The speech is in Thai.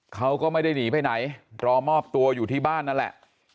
เขาก็ไม่ได้หนีไปไหนรอมอบตัวอยู่ที่บ้านนั่นแหละ